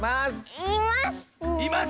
います。